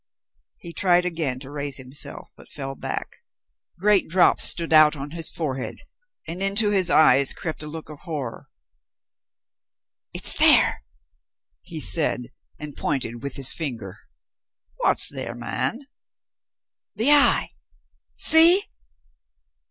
He tried again to raise himself, but fell back. Great drops stood out on his forehead and into his eyes crept a look of horror. "It's there!" he said, and pointed with his finger. "What's there, man?" "The eye. See!